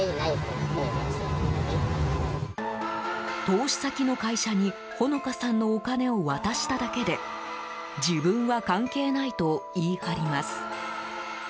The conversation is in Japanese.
投資先の会社に穂野香さんのお金を渡しただけで自分は関係ないと言い張ります。